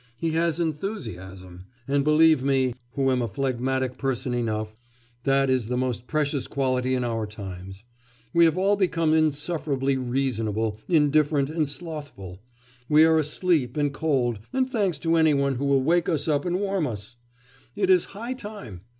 He has enthusiasm; and believe me, who am a phlegmatic person enough, that is the most precious quality in our times. We have all become insufferably reasonable, indifferent, and slothful; we are asleep and cold, and thanks to any one who will wake us up and warm us! It is high time!